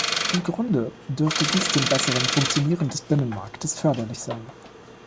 Im Grunde dürfte dies dem besseren Funktionieren des Binnenmarktes förderlich sein.